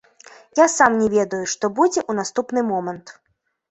Я сам не ведаю, што будзе ў наступны момант.